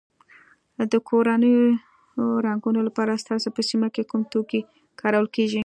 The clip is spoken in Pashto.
د کورونو رنګولو لپاره ستاسو په سیمه کې کوم توکي کارول کیږي.